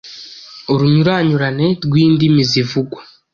Urunyuranyurane rw’ indimi zivugwa